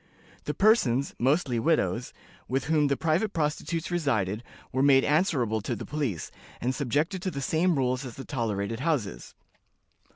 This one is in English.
The persons (mostly widows) with whom the private prostitutes resided were made answerable to the police, and subjected to the same rules as the tolerated houses.